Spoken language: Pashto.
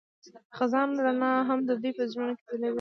د خزان رڼا هم د دوی په زړونو کې ځلېده.